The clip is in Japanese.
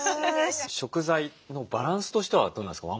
食材のバランスとしてはどうなんですか。